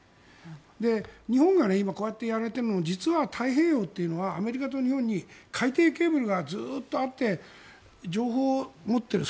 日本が今こうやってやられているのも実は太平洋というのはアメリカと日本に海底ケーブルがずっとあって情報を持っている。